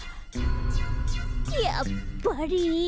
やっぱり。